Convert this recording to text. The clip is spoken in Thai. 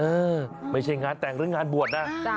เออไม่ใช่งานแต่งหรืองานบวชนะ